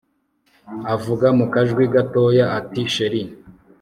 avuga mukajwi gatoya ati shr